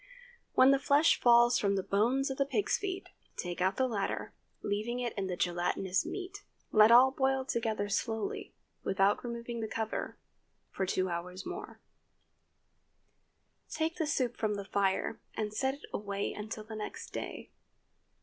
When the flesh falls from the bones of the pig's feet, take out the latter, leaving in the gelatinous meat. Let all boil together slowly, without removing the cover, for two hours more; take the soup from the fire and set it away until the next day.